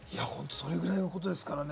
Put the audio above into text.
それぐらいのことですからね。